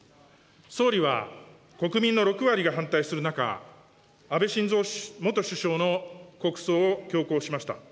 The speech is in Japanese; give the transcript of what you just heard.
総理は、国民の６割が反対する中、安倍晋三元首相の国葬を強行しました。